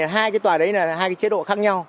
hai tòa đấy là hai chế độ khác nhau